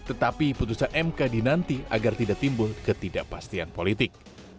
tetapi putusan mk dinanti agar tidak timbul ketidakpastian politik